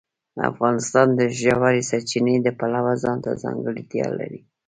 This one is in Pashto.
افغانستان د ژورې سرچینې د پلوه ځانته ځانګړتیا لري.